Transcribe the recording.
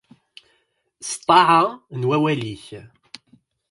S ṭṭaɛa n wawal-ik.